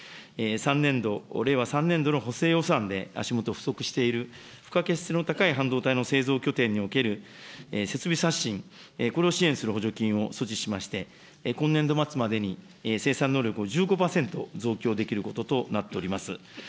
３年度、令和３年度の補正予算で足下不足している性の高い半導体の、拠点における設備刷新、これを支援する補助金を措置しまして、今年度末までに生産能力を１５％増強できることとなっております。